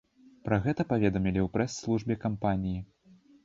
Пра гэта паведамілі ў прэс-службе кампаніі.